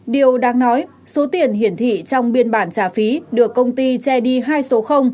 điều đáng nói số tiền hiển thị trong biên bản trả phí được công ty che đi hai số